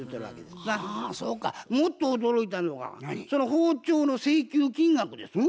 もっと驚いたのがその包丁の請求金額ですわ。